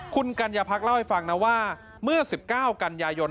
คุณกัญญาพักเล่าให้ฟังนะว่าเมื่อ๑๙กันยายน